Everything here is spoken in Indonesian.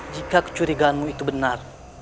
jika kecurigaanmu itu benar